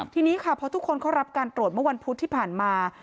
ทีนี้ค่ะเพราะทุกคนเขารับการตรวจเมื่อวันพุธที่ผ่านมา